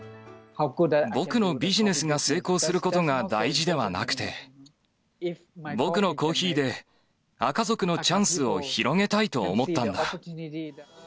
僕のビジネスが成功することが大事ではなくて、僕のコーヒーで、アカ族のチャンスを広げたいと思ったんだ。